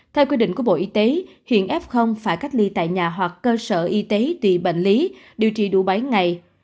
theo quy định của bộ y tế hiện f phải cách ly tại nhà hoặc cơ sở y tế trị bệnh lý điều trị đủ bảy ngày